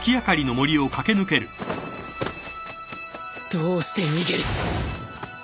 どうして逃げる